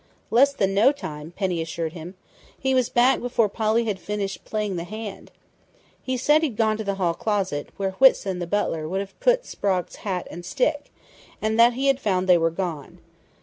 "Less than no time," Penny assured him. "He was back before Polly had finished playing the hand. He said he'd gone to the hall closet, where Whitson, the butler, would have put Sprague's hat and stick, and that he had found they were gone....